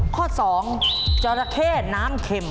ข้อ๒จราเข้น้ำเข็ม